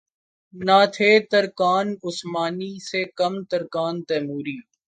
نہ تھے ترکان عثمانی سے کم ترکان تیموری